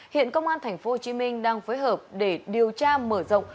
hiện công an tp hcm đang phối hợp để điều tra mở rộng